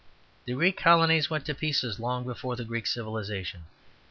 The Greek colonies went to pieces long before the Greek civilization.